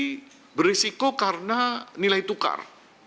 yang tidak menjadi berisiko karena nilai tukar